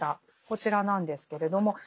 こちらなんですけれども。